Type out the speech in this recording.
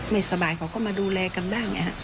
ไม่สบายเขาก็มาดูแลกันบ้าง